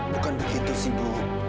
bukan begitu sih bu